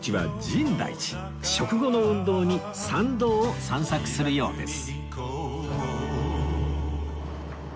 食後の運動に参道を散策するようです